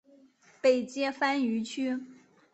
北接番禺区。